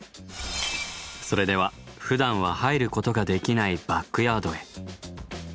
それではふだんは入ることができないバックヤードへ。